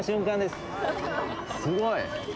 すごい。